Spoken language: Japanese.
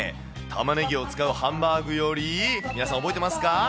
たまねぎを使うハンバーグより、皆さん、覚えてますか？